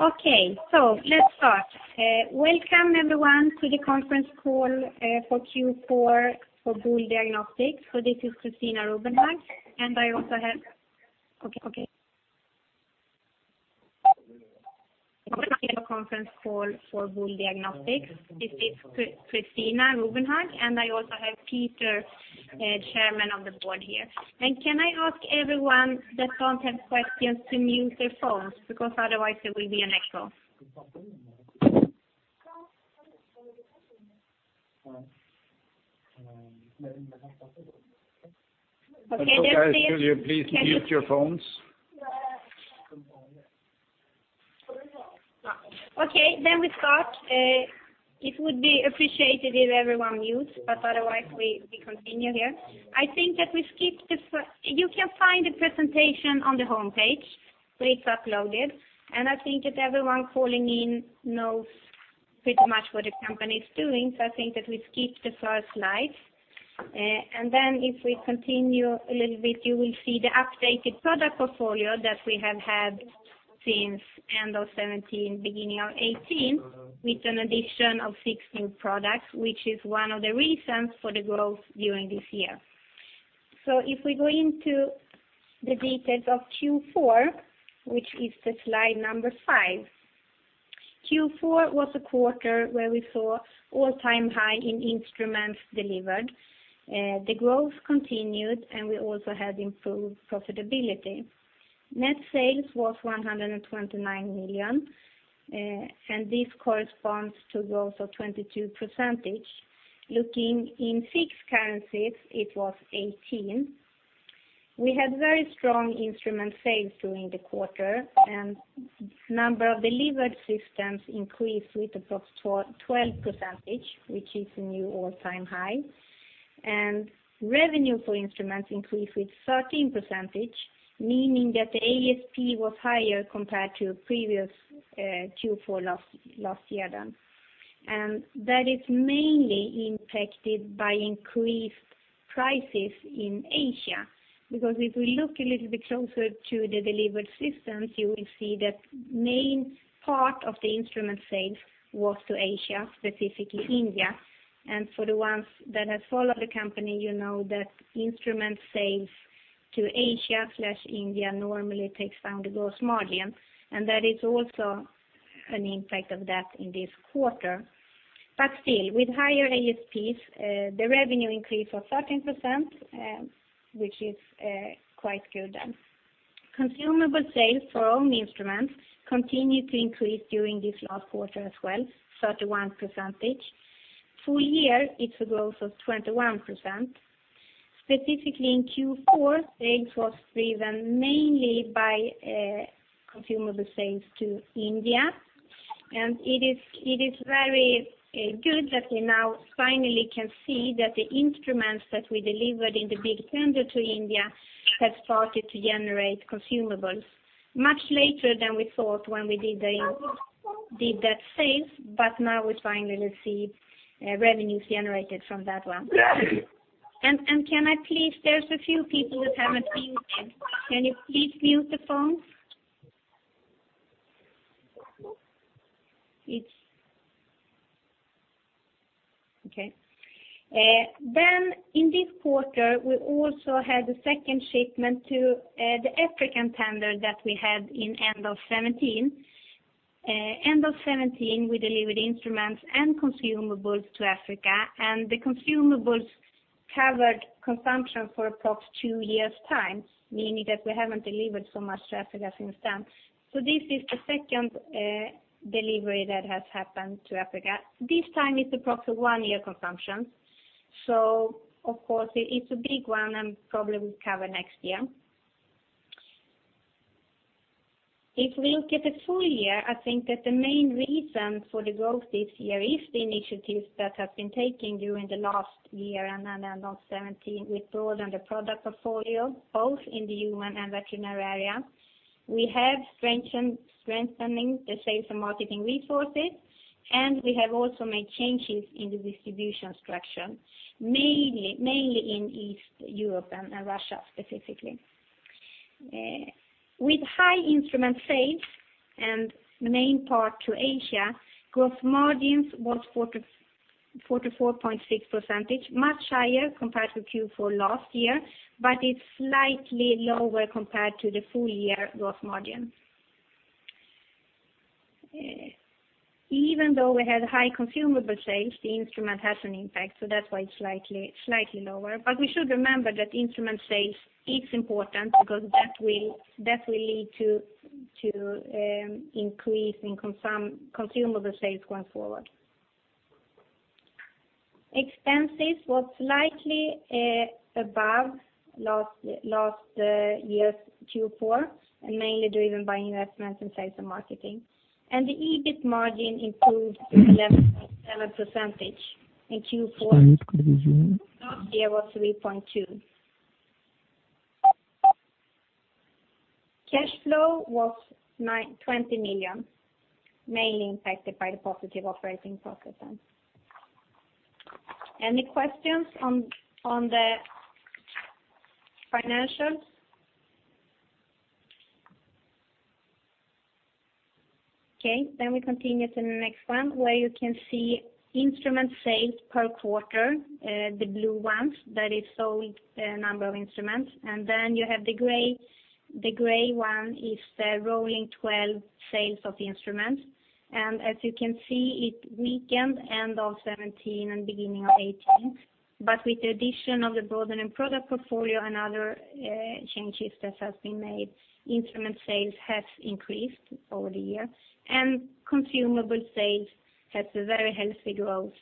Let's start. Welcome, everyone, to the conference call for Q4 for Boule Diagnostics. This is Christina Rubenhag, and I also have Peter, Chairman of the Board here. Can I ask everyone that doesn't have questions to mute their phones, because otherwise there will be an echo. Could you please mute your phones? We start. It would be appreciated if everyone mutes, otherwise we continue here. You can find the presentation on the homepage where it's uploaded, I think that everyone calling in knows pretty much what the company is doing, I think that we skip the first slide. If we continue a little bit, you will see the updated product portfolio that we have had since end of 2017, beginning of 2018, with an addition of 16 products, which is one of the reasons for the growth during this year. If we go into the details of Q4, which is the slide number five. Q4 was a quarter where we saw all-time high in instruments delivered. The growth continued, and we also had improved profitability. Net sales was 129 million, and this corresponds to growth of 22%. Looking in fixed currencies, it was 18%. We had very strong instrument sales during the quarter, and number of delivered systems increased with approx. 12%, which is a new all-time high. Revenue for instruments increased with 13%, meaning that the ASP was higher compared to previous Q4 last year. That is mainly impacted by increased prices in Asia. If we look a little bit closer to the delivered systems, you will see that main part of the instrument sales was to Asia, specifically India. For the ones that have followed the company, you know that instrument sales to Asia/India normally takes down the gross margin, and that is also an impact of that in this quarter. Still, with higher ASPs, the revenue increase was 13%, which is quite good. Consumable sales for all instruments continued to increase during this last quarter as well, 31%. Full year, it's a growth of 21%. Specifically in Q4, sales was driven mainly by consumable sales to India. It is very good that we now finally can see that the instruments that we delivered in the big tender to India have started to generate consumables. Much later than we thought when we did that sale, but now we finally see revenues generated from that one. Can I please, there is a few people that haven't muted. Can you please mute the phone? Okay. In this quarter, we also had the second shipment to the African tender that we had in end of 2017. End of 2017, we delivered instruments and consumables to Africa, and the consumables covered consumption for approx. two years' time, meaning that we haven't delivered so much to Africa since then. This is the second delivery that has happened to Africa. This time it's approx. one year consumption. Of course, it's a big one and probably will cover next year. If we look at the full year, I think that the main reason for the growth this year is the initiatives that have been taken during the last year and end of 2017. We've broadened the product portfolio, both in the human and veterinary area. We have strengthening the sales and marketing resources, and we have also made changes in the distribution structure, mainly in East Europe and Russia specifically. With high instrument sales and the main part to Asia, gross margins was 44.6%, much higher compared to Q4 last year, but it's slightly lower compared to the full year gross margin. Even though we had high consumable sales, the instrument has an impact, so that's why it's slightly lower. We should remember that instrument sales, it's important because that will lead to increase in consumable sales going forward. Expenses was slightly above last year's Q4, and mainly driven by investments in sales and marketing. The EBIT margin improved to 11.7% in Q4. Last year was 3.2%. Cash flow was 20 million, mainly impacted by the positive operating profit. Any questions on the financials? We continue to the next one where you can see instrument sales per quarter, the blue ones that is sold, number of instruments. You have the gray one is the rolling 12 sales of the instruments. As you can see, it weakened end of 2017 and beginning of 2018. With the addition of the broadening product portfolio and other changes that has been made, instrument sales has increased over the year, consumable sales has a very healthy growth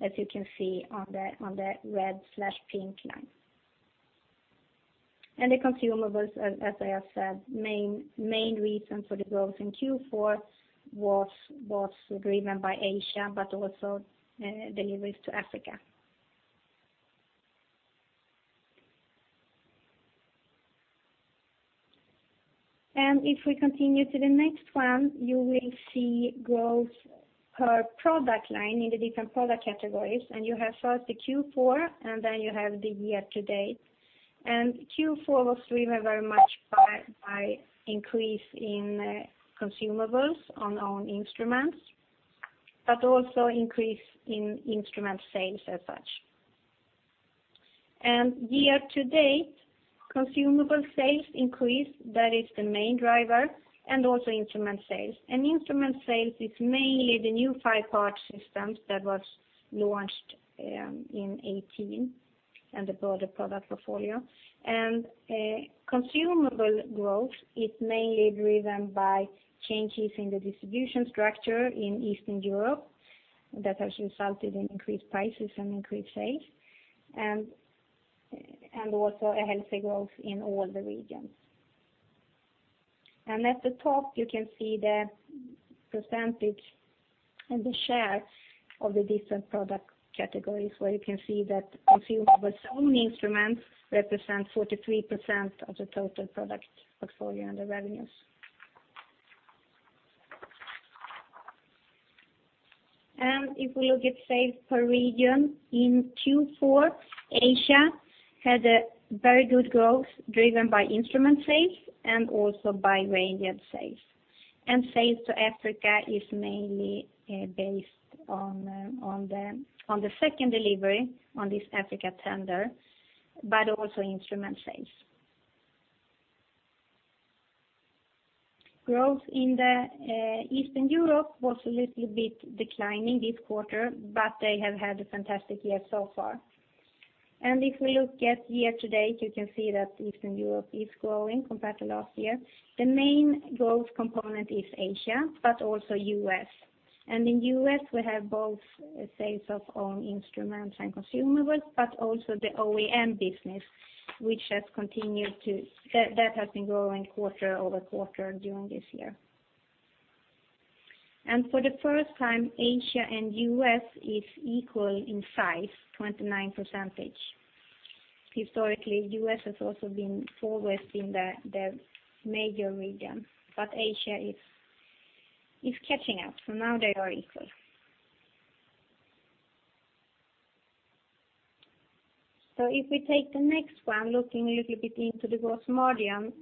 as you can see on the red/pink line. The consumables, as I have said, main reason for the growth in Q4 was driven by Asia, but also deliveries to Africa. If we continue to the next one, you will see growth per product line in the different product categories. You have first the Q4, and then you have the year to date. Q4 was driven very much by increase in consumables on instruments, but also increase in instrument sales as such. Year to date, consumable sales increase, that is the main driver, and also instrument sales. Instrument sales is mainly the new five-part systems that was launched in 2018 and the broader product portfolio. Consumable growth is mainly driven by changes in the distribution structure in Eastern Europe that has resulted in increased prices and increased sales, and also a healthy growth in all the regions. At the top, you can see the percentage and the share of the different product categories, where you can see that consumables on instruments represent 43% of the total product portfolio and the revenues. If we look at sales per region, in Q4, Asia had a very good growth driven by instrument sales and also by reagent sales. Sales to Africa is mainly based on the second delivery on this Africa tender, but also instrument sales. Growth in the Eastern Europe was a little bit declining this quarter, but they have had a fantastic year so far. If we look at year to date, you can see that Eastern Europe is growing compared to last year. The main growth component is Asia, but also U.S. In U.S., we have both sales of own instruments and consumables, but also the OEM business, that has been growing quarter-over-quarter during this year. For the first time, Asia and U.S. is equal in size, 29%. Historically, U.S. has also been furthest in the major region, but Asia is catching up. Now they are equal. If we take the next one, looking a little bit into the gross margin,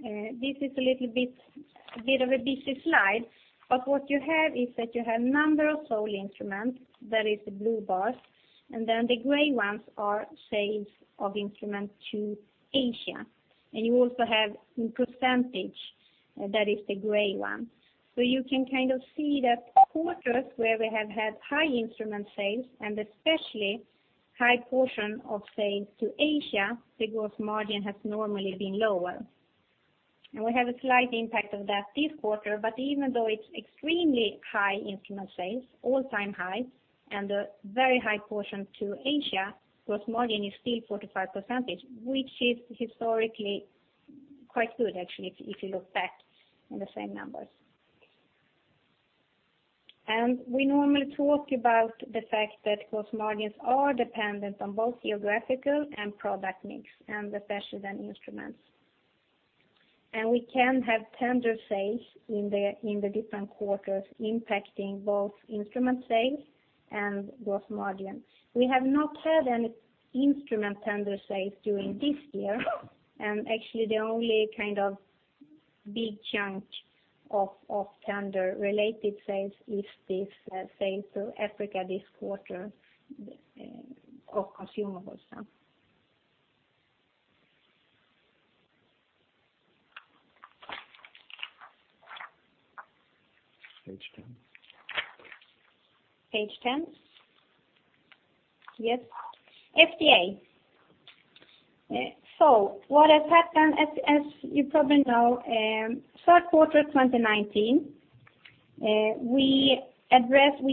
this is a bit of a busy slide, but what you have is that you have number of sold instruments, that is the blue bars, and then the gray ones are sales of instruments to Asia. You also have in percentage, that is the gray one. You can kind of see that quarters where we have had high instrument sales and especially high portion of sales to Asia, the gross margin has normally been lower. We have a slight impact of that this quarter, but even though it's extremely high instrument sales, all-time highs, and a very high portion to Asia, gross margin is still 45%, which is historically quite good actually, if you look back in the same numbers. We normally talk about the fact that gross margins are dependent on both geographical and product mix, and especially the instruments. We can have tender sales in the different quarters impacting both instrument sales and gross margin. We have not had any instrument tender sales during this year, and actually the only kind of big chunk of tender-related sales is this sale to Africa this quarter of consumables. Page 10. Page 10. Yes. FDA. What has happened, as you probably know, third quarter 2019, we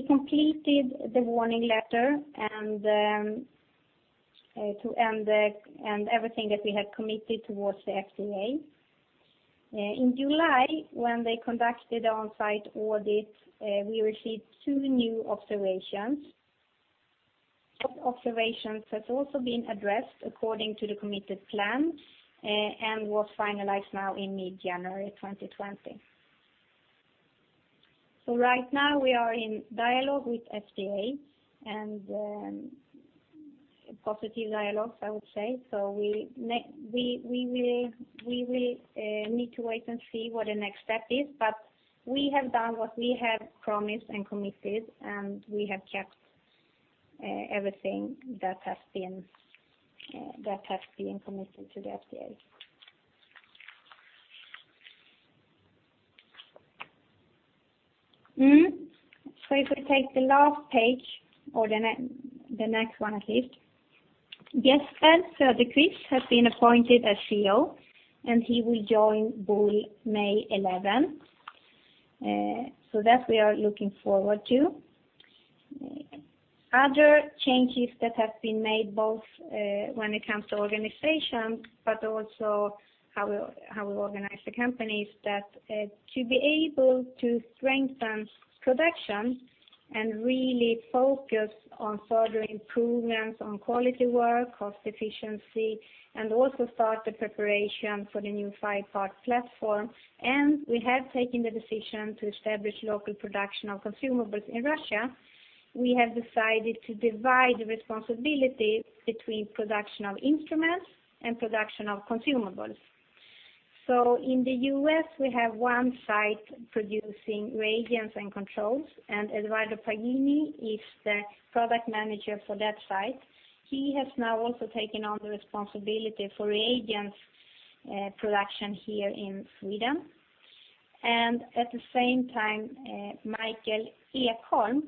completed the warning letter and everything that we had committed towards the FDA. In July, when they conducted on-site audit, we received two new observations. Those observations has also been addressed according to the committed plan and was finalized now in mid-January 2020. Right now we are in dialogue with FDA and positive dialogues, I would say. We will need to wait and see what the next step is. We have done what we have promised and committed, and we have kept everything that has been committed to the FDA. If we take the last page or the next one, at least. Jesper Söderqvist has been appointed as CEO, and he will join Boule, May 11. That we are looking forward to. Other changes that have been made, both when it comes to organization but also how we organize the company, is that to be able to strengthen production and really focus on further improvements on quality, work, cost efficiency, and also start the preparation for the new five-part platform. We have taken the decision to establish local production of consumables in Russia. We have decided to divide the responsibility between production of instruments and production of consumables. In the U.S., we have one site producing reagents and controls, and Eduardo Pagani is the product manager for that site. He has now also taken on the responsibility for reagents production here in Sweden. At the same time, Mikael Ekholm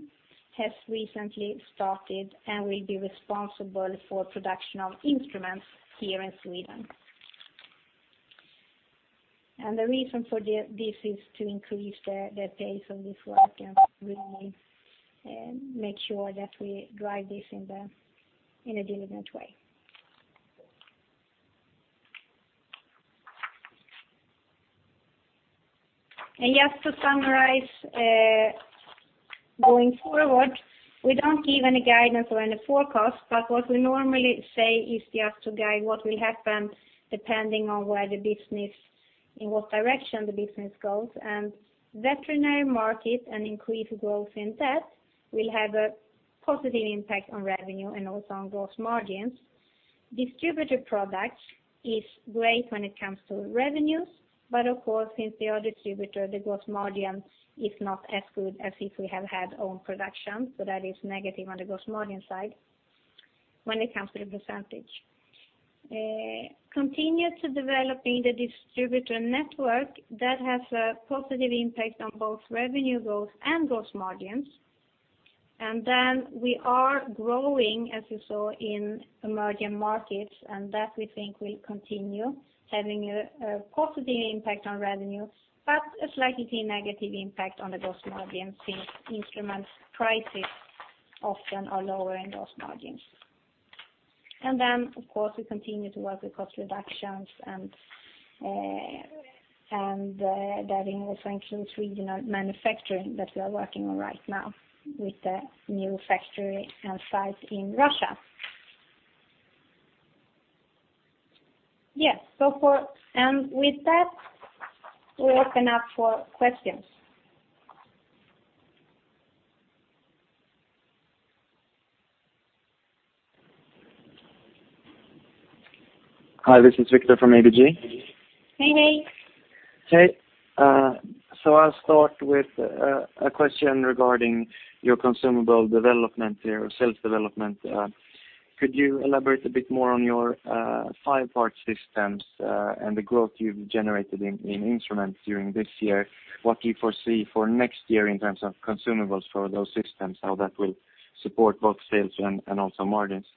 has recently started and will be responsible for production of instruments here in Sweden. The reason for this is to increase the pace of this work and really make sure that we drive this in a diligent way. Just to summarize, going forward, we don't give any guidance or any forecast, but what we normally say is just to guide what will happen depending on where the business, in what direction the business goes. Veterinary market and increased growth in that will have a positive impact on revenue and also on gross margins. Distributor products is great when it comes to revenues, but of course, since they are a distributor, the gross margin is not as good as if we have had our own production. That is negative on the gross margin side, when it comes to the percentage. Continue to developing the distributor network that has a positive impact on both revenue growth and gross margins. We are growing, as you saw in emerging markets, and that we think will continue having a positive impact on revenue, but a slightly negative impact on the gross margin, since instrument prices often are lower in gross margins. Of course, we continue to work with cost reductions and that also includes regional manufacturing that we are working on right now with the new factory and site in Russia. Yes, with that, we open up for questions. Hi, this is Viktor from ABG. Hey. Hey. I'll start with a question regarding your consumable development here, sales development. Could you elaborate a bit more on your five-part systems and the growth you've generated in instruments during this year? What do you foresee for next year in terms of consumables for those systems, how that will support both sales and also margins?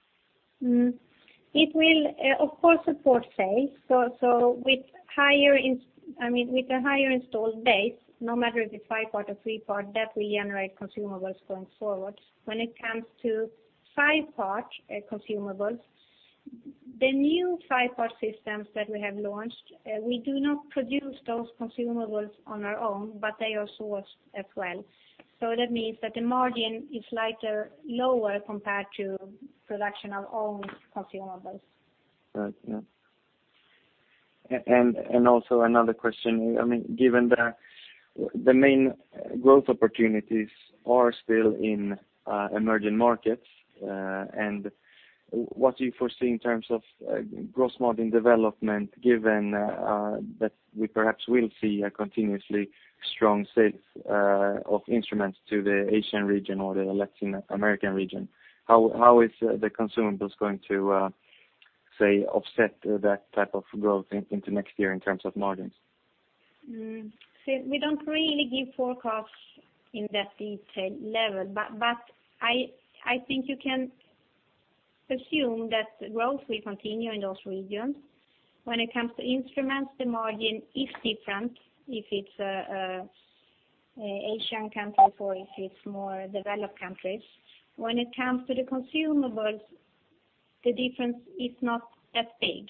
It will, of course, support sales. With a higher installed base, no matter if it's five-part or three-part, that will generate consumables going forward. When it comes to five-part consumables, the new five-part systems that we have launched, we do not produce those consumables on our own, but they are sourced as well. That means that the margin is slightly lower compared to production of our own consumables. Right. Yeah. Also another question, given the main growth opportunities are still in emerging markets, what do you foresee in terms of gross margin development, given that we perhaps will see a continuously strong sales of instruments to the Asian region or the Latin American region? How is the consumables going to, say, offset that type of growth into next year in terms of margins? We don't really give forecasts in that detailed level, but I think you can assume that growth will continue in those regions. When it comes to instruments, the margin is different if it's Asian countries or if it's more developed countries. When it comes to the consumables, the difference is not that big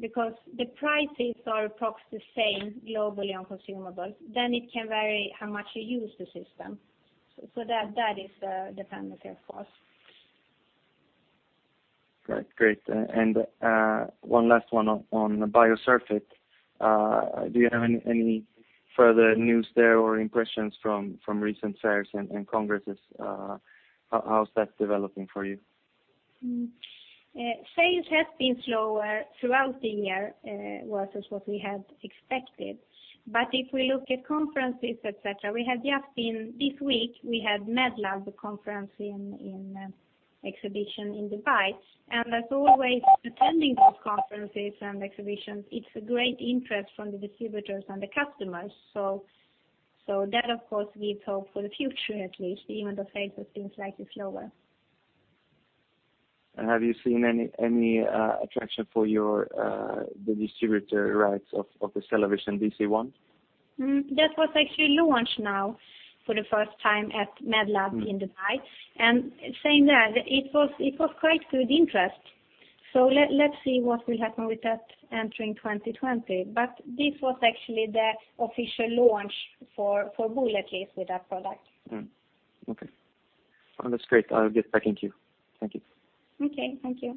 because the prices are approximately the same globally on consumables. It can vary how much you use the system. That is the dependency, of course. Great. One last one on Biosurfit. Do you have any further news there or impressions from recent fairs and congresses? How's that developing for you? Sales have been slower throughout the year versus what we had expected. If we look at conferences, et cetera, this week we had Medlab, the conference and exhibition in Dubai. As always, attending those conferences and exhibitions, it's a great interest from the distributors and the customers. That, of course, gives hope for the future, at least even though sales have been slightly slower. Have you seen any attraction for the distributor rights of the CellaVision DC-1? That was actually launched now for the first time at Medlab in Dubai. Saying that, it was quite good interest. Let's see what will happen with that entering 2020. This was actually the official launch for Boule, at least, with that product. Okay. That's great. I'll get back into you. Thank you. Okay, thank you.